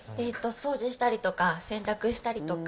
掃除したりとか洗濯したりとか。